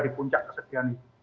di puncak kesedihan itu